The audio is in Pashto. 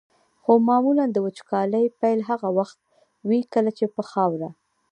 خو معمولا د وچکالۍ پیل هغه وخت وي کله چې په خاوره.